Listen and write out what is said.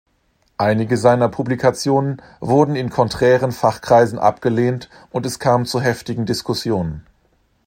Einige seiner Publikationen wurden in konträren Fachkreisen abgelehnt und es kam zu heftigen Diskussionen.